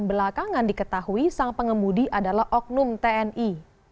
belakangan diketahui sang pengemudi adalah oknum tni